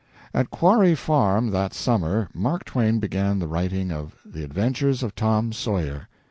At Quarry Farm that summer Mark Twain began the writing of "The Adventures of Tom Sawyer."